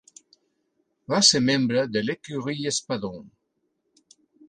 Va ser membre de l'Ecurie Espadon.